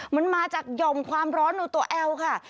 มันมาจากหย่อมความร้อนในตัวแอลค่ะ